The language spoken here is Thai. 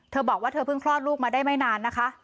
เธอบอกว่าเธอเพิ่งคลอดลูกมาได้ไม่นานนะคะ